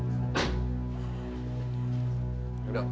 semua ketemu anak saya pak